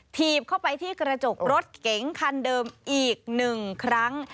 ถีบเข้าไปที่กระจกรถเก๋งคันเดิมอีก๑ครั้ง